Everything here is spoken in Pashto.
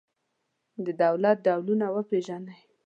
د دولت ډولونه وپېژنئ.